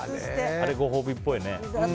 あれご褒美っぽいね。